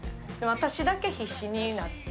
私だけ必死になって。